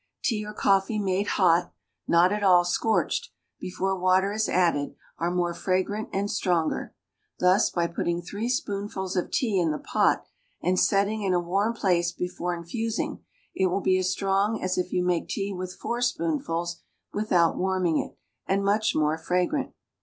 Tea or coffee made hot (not at all scorched), before water is added, are more fragrant and stronger. Thus, by putting three spoonfuls of tea in the pot and setting in a warm place before infusing, it will be as strong as if you make tea with four spoonfuls without warming it, and much more fragrant.